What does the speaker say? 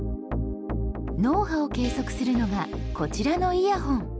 脳波を計測するのがこちらのイヤホン。